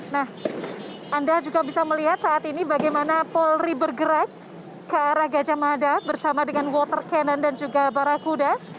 nah anda juga bisa melihat saat ini bagaimana polri bergerak ke arah gajah mada bersama dengan water cannon dan juga barakuda